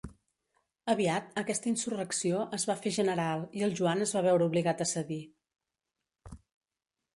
Aviat, aquesta insurrecció es va fer general i el Joan es va veure obligat a cedir.